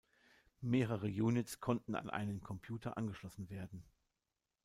Mehrere Units konnten an einen Computer angeschlossen werden.